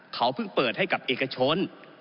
เขาเพิ่งเปิดให้กับเอกชน